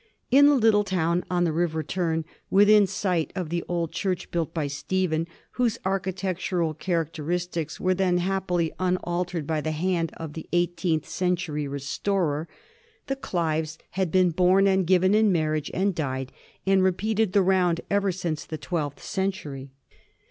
In the little town on the river Tern, within sight of the old church built by Stephen, whose architectural character istics were then happily unaltered by the hand of the 1726 1743. THE OLIVES OF MARKET DRAYTON. 255 eighteenth century restorer, the Clives had been born and given in marriage and died, and repeated the round ever since the twelfth century.